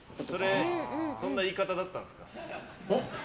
そんな言い方だったんですか？